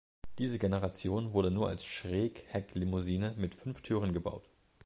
Diese Generation wurde nur als Schräghecklimousine mit fünf Türen gebaut.